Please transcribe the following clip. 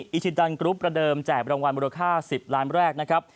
อิชิตันกรุ๊ปประเดิมแจกรางวัลมูลค่า๑๐ล้านแรกนะครับ